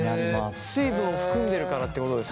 水分を含んでるからってことですね？